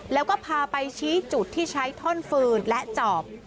แล้วก็พาไปชี้จุดที่ใช้ท่อนฟืนและจอบ